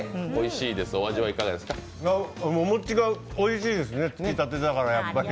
お餅がおいしいですね、つきたてだから、やっぱり。